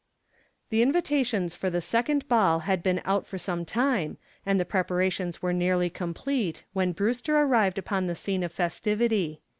The invitations for the second ball had been out for some time and the preparations were nearly complete when Brewster arrived upon the scene of festivity.